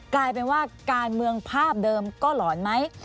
กลายเป็นว่าการเมืองภาพเดิมก็หลอนไหม